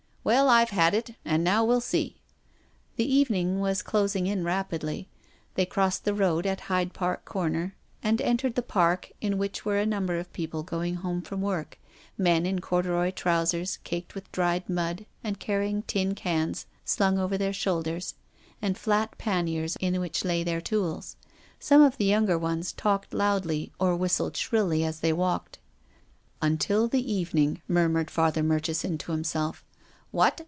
" Well, I've had it. And now we'll see." The evening was closing in rapidly. They crossed the road at Hyde Park Corner, and en tered the Park, in which were a number of people PROFESSOR GUILDEA. 297 going home from work ; men in corduroy trous ers, caked with dried mud, and carrying tin cans slung over their shoulders, and flat panniers, in which lay their tools. Some of the younger ones talked loudly or whistled shrilly as they walked. " Until the evening," murmured Father Mur chison to himself. "What?"